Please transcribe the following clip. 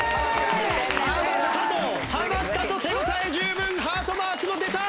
ハマったとハマったと手応え十分ハートマークも出た！